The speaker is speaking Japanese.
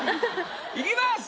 いきます。